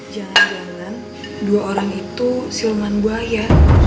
jangan jangan dua orang itu siluman bahaya